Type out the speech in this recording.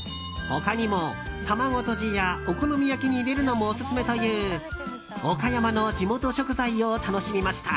他にも卵とじやお好み焼きに入れるのもオススメだという岡山の地元食材を楽しみました。